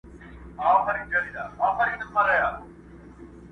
تر ابده به باقي وي زموږ یووالی لاس تر غاړه؛؛!